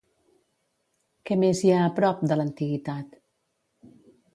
Què més hi ha a prop, de l'Antiguitat?